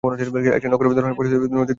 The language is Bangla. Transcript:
একটি নগর-ধরনের বসতি নদীর তীরে অবস্থিত।